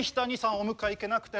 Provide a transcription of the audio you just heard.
お迎え行けなくて。